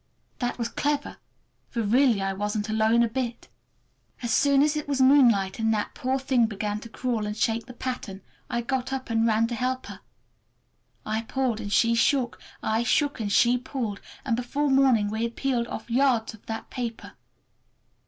That was clever, for really I wasn't alone a bit! As soon as it was moonlight, and that poor thing began to crawl and shake the pattern, I got up and ran to help her. I pulled and she shook, I shook and she pulled, and before morning we had peeled off yards of that paper.